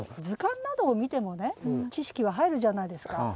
図鑑などを見てもね知識は入るじゃないですか。